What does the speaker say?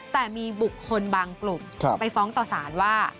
แต่มีบุคคลบางกลุ่มไปฟ้องต่อสารว่า